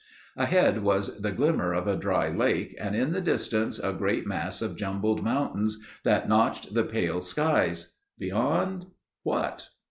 Ahead was the glimmer of a dry lake and in the distance a great mass of jumbled mountains that notched the pale skies. Beyond—what?